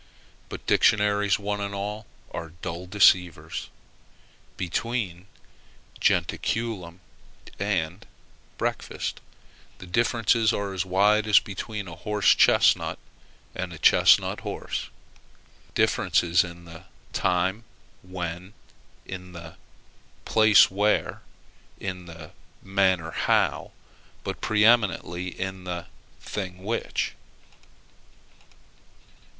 But dictionaries, one and all, are dull deceivers. Between jentaculum and breakfast the differences are as wide as between a horse chestnut and chestnut horse; differences in the time when, in the place where, in the manner how, but preeminently in the thing which.